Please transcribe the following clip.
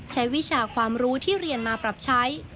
วิชาความรู้ที่เรียนมาปรับใช้